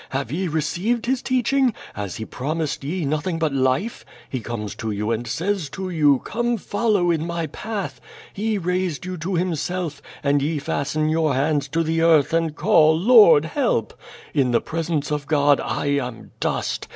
Have ye received His teaching? Has He promisel ye nothing but life*' He comes to you and says to you: 'Come, follow in my path/ He raised you to Himself, and ye fasten your hands to the earth, and call, *Lord help!' In the presence of God I am dust.